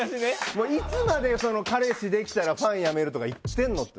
もういつまで彼氏できたらファンやめるって言ってんのって。